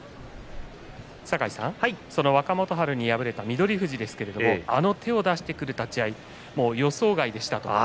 その若元春に敗れた翠富士ですけれどもあの手を出してくる立ち合い予想外でしたと。